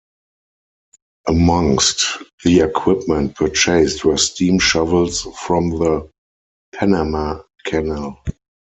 Amongst the equipment purchased were steam shovels from the Panama Canal.